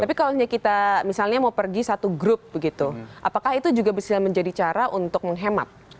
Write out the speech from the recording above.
tapi kalau misalnya kita misalnya mau pergi satu grup begitu apakah itu juga bisa menjadi cara untuk menghemat